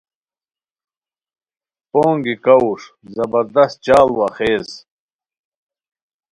پونگی کاؤݰ زبردست چاڑ وا خیز